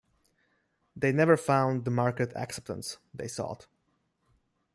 They never found the market acceptance they sought.